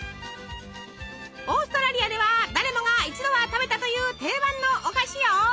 オーストラリアでは誰もが一度は食べたという定番のお菓子よ。